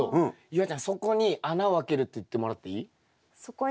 夕空ちゃん底に穴をあけるって言ってもらっていい？